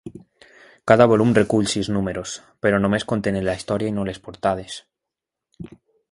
Cada volum recull sis números, però només contenen la història i no les portades.